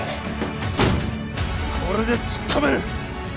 これで突っ込める